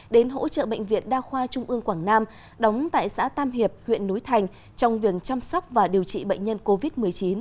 đến hỗ trợ bệnh viện đa khoa trung ương quảng nam đóng tại xã tam hiệp huyện núi thành trong viện chăm sóc và điều trị bệnh nhân covid một mươi chín